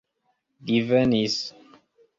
divenis